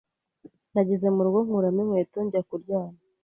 Nageze mu rugo, nkuramo inkweto njya kuryama.